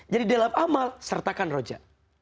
jadi dalam amal sertakan roja